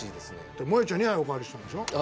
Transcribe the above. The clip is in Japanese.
萌ちゃん２杯おかわりしたんでしょ？